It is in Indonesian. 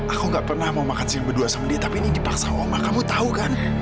aku ga pernah mau makan siang berdua sama dia tapi ini dipaksa om ya kamu tau kan